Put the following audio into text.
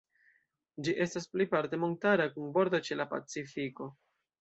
Ĝi estas plejparte montara, kun bordo ĉe la Pacifiko.